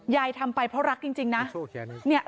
ยายทำไปเพราะรักจริงนะ